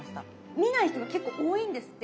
見ない人が結構多いんですって。